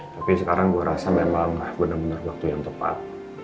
tapi sekarang gue rasa memang benar benar waktu yang tepat